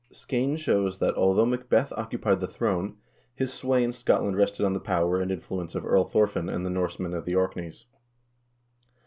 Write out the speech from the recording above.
3 Skene shows that, although Macbeth occupied the throne, his sway in Scotland rested on the power and influence of Earl Thorfinn and the Norsemen of the Orkneys.